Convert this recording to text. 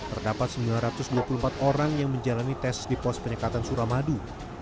terdapat sembilan ratus dua puluh empat orang yang menjalani tes di pos penyekatan suramadu